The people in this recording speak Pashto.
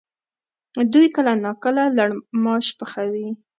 دوی کله ناکله لړماش پخوي؟